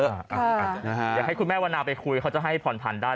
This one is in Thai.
อยากให้คุณแม่วรรณาไปคุยเขาจะให้ผ่อนพันธุ์ได้